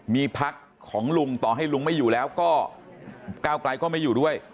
มีพักของลุงต่อให้ลุงไม่อยู่แล้วก็ก้าวไกลก็ไม่อยู่ด้วย